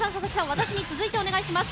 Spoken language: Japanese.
私に続いてお願いします。